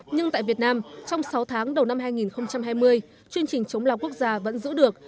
nhưng tại việt nam trong sáu tháng đầu năm hai nghìn hai mươi chương trình chống lao quốc gia vẫn giữ được